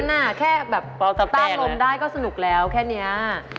แค่นั้นนะแค่แบบตามลมได้ก็สนุกแล้วแค่เนี้ย